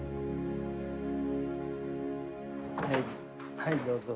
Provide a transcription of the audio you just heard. はいどうぞ。